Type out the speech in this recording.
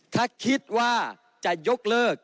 ถ้าคิดว่าจะยกเลิก